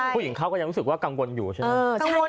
ผู้หญิงเขาก็ยังรู้สึกว่ากังวลอยู่ใช่ไหม